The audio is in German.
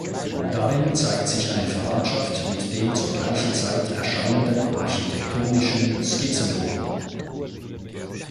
Darin zeigt sich eine Verwandtschaft mit dem zur gleichen Zeit erscheinenden Architektonischem Skizzenbuch.